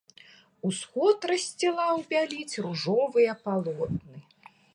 Усход рассцілаў бяліць ружовыя палотны.